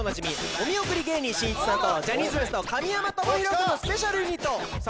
お見送り芸人しんいちさんとジャニーズＷＥＳＴ・神山智洋くんのＳＰユニットさあ